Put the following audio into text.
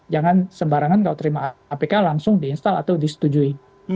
jangan sembarangan kalau terima apk langsung di install atau disetujui